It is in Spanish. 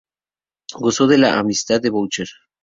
Gozó de la amistad de Boucher.